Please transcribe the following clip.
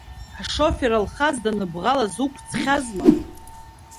Ҳшофер Алхас даныбӷалаз уқәҵхьазма?